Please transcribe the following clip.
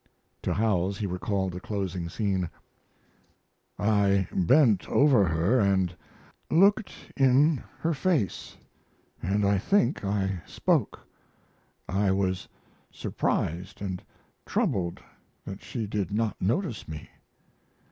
To Howells he recalled the closing scene: I bent over her & looked in her face & I think I spoke I was surprised & troubled that she did not notice me.